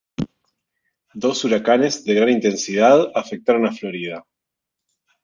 Dos huracanes de gran intensidad afectaron a Florida.